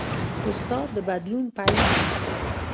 استاد د بدلون پیل کوي.